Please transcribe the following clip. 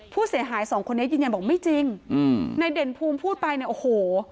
ผู้เสียหายสองคนนี้ยืนยันบอกไม่จริงอืมนายเด่นภูมิพูดไปเนี่ยโอ้โห